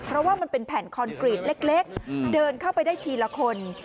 เพราะว่ามันเป็นแผ่นคอนกรีตเล็กเดินเข้าไปได้ทีละคน